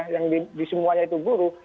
yang di semuanya itu buruh